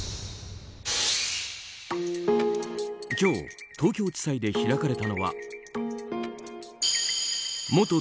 今日、東京地裁で開かれたのは元